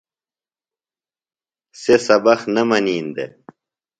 سےۡ سبق نہ منین دےۡ۔